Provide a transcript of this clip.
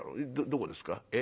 「どこですか。